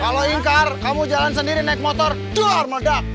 kalau ingkar kamu jalan sendiri naik motor gelar mendak